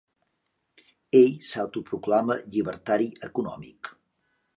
Ell s'autoproclama llibertari econòmic.